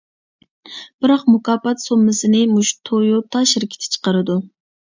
بىراق مۇكاپات سوممىسىنى مۇشۇ تويوتا شىركىتى چىقىرىدۇ.